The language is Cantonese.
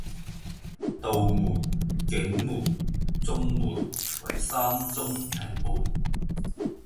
杜門、景門、中門為三中平門